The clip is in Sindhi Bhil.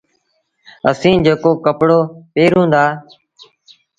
اسيٚݩ جيڪو ڪپڙو پهرون دآ